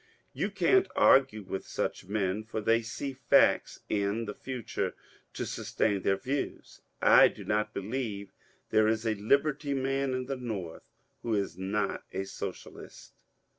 You can't argue with such men, for Uiey see facts in the future to sustain their views. I do not believe there is a Liberty man in the North who is not a Socialist.